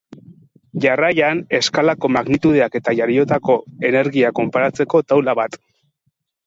Jarraian, eskalako magnitudeak eta jariotako energia konparatzeko taula bat.